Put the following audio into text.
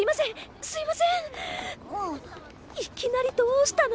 いきなりどうしたの？